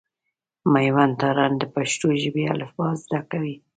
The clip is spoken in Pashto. مېوند تارڼ د پښتو ژبي الفبا زده کوي.